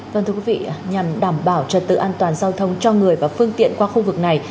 vâng thưa quý vị nhằm đảm bảo trật tự an toàn giao thông cho người và phương tiện qua khu vực này